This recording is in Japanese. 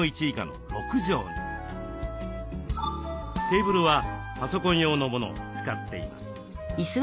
テーブルはパソコン用のものを使っています。